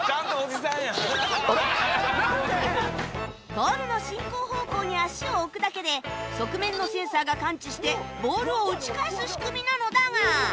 ボールの進行方向に足を置くだけで側面のセンサーが感知してボールを打ち返す仕組みなのだが